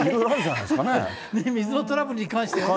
水のトラブルに関してはね。